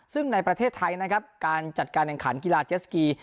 ซึ่งในประเทศไทยนะครับการจัดการแข่งขันกีฬาเจสกี